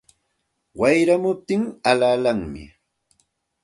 Wayramuptin alalanmi